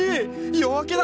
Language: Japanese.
夜明けだ。